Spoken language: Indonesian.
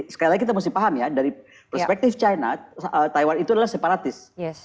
sekali lagi kita mesti paham ya dari perspektif china taiwan itu adalah separatis